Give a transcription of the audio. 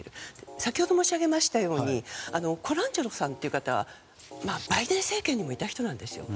先ほど申し上げましたようにコランチェロさんという方はバイデン政権にもいた人なんですよ。